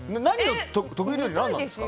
得意料理は何なんですか？